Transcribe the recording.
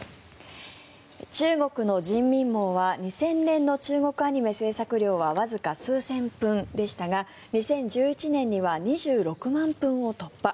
中国の人民網は２０００年の中国アニメ制作量はわずか数千分でしたが２０１１年には２６万分を突破。